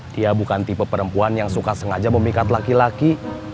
dia bukan tipe perempuan yang suka sengaja memikat laki laki